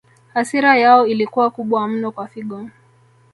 Hasira yao ilikuwa kubwa mno kwa Figo